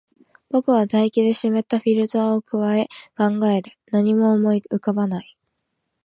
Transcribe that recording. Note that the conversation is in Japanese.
僕は唾液で湿ったフィルターを咥え、考える。何も思い浮かばない。